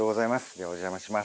ではお邪魔します。